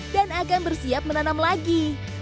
dan akan bersiap menanam lagi